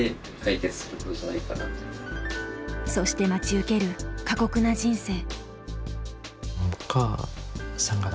そして待ち受ける過酷な人生。